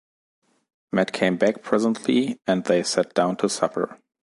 Matt came back presently and they sat down to supper.